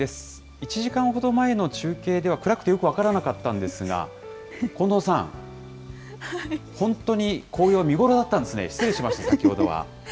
１時間ほど前の中継では暗くてよく分からなかったんですが、近藤さん、本当に紅葉、見頃だったんですね、失礼しました、先ほどは。